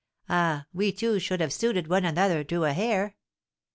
Ah, we two should have suited one another to a hair!